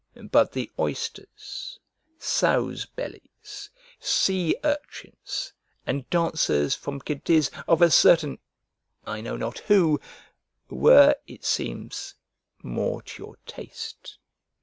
But the oysters, sows' bellies, sea urchins, and dancers from Cadiz of a certain I know not who, were, it seems, more to your taste.